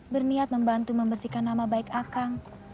berniat membantu membersihkan nama baik akang